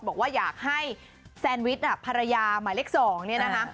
บอกว่าอยากให้แซนวิชภรรยาหมายเลข๒เนี่ยนะคะ